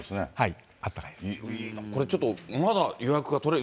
これちょっと、まだ予約が取れる？